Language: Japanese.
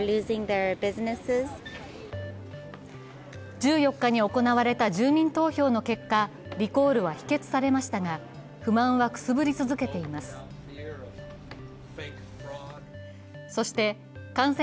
１４日に行われた住民投票の結果、リコールは否決されましたが不満はくすぶり続けています。